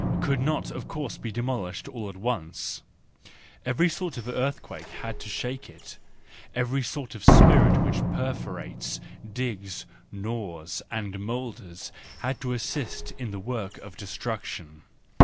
—could not of course be demolished all at once; every sort of earthquake had to shake it, every sort of spirit which perforates, digs, gnaws and moulders had to assist in the work of destruction.